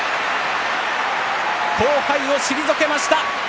後輩を退けました。